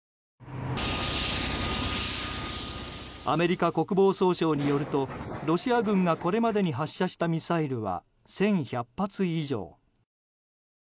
アメリカ国防総省によるとロシア軍がこれまでに発射したミサイルは１１００発以上。